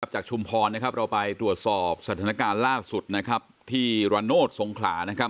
ชุมพรเราไปตรวจสอบสถานการณ์ล่าสุดที่ระโนธสงขลา